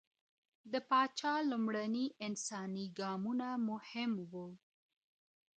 د پاچا لومړني انساني ګامونه مهم و.